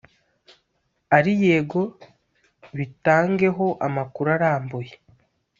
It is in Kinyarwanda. ari yego bitangeho amakuru arambuye